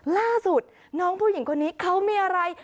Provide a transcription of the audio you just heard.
ล่าสุดน้องผู้หญิงคนนี้เขามีอะไร